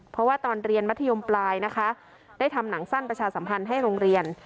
เพราะว่าตอนเรียนมัธยมปลายนะคะได้ทำหนังสั้นประชาสัมพันธ์ให้โรงเรียน